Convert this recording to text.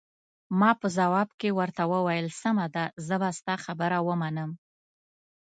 ما په ځواب کې ورته وویل: سمه ده، زه به ستا خبره ومنم.